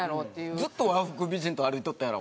ずっと和服美人と歩いとったやろ？